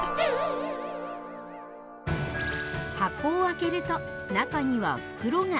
ハコを開けると中には袋が。